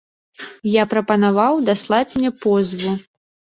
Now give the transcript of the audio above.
Я прапанаваў даслаць мне позву.